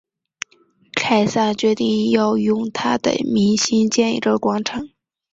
凯撒决定要用他的名兴建一个广场。